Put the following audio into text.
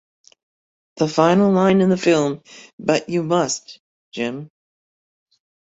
The final line in the film But you must, Jim.